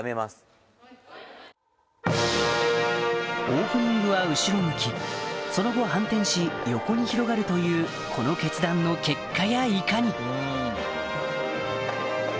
オープニングは後ろ向きその後反転し横に広がるというこの決断の結果やいかに？